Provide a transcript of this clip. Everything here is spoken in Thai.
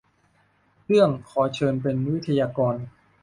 เรื่อง ขอเชิญเป็นวิทยากร